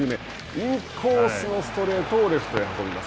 インコースのストレートをレフトへ運びます。